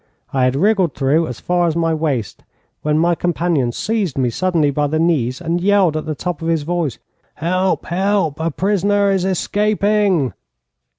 I had wriggled through as far as my waist, when my companion seized me suddenly by the knees, and yelled at the top of his voice: 'Help! Help! A prisoner is escaping!'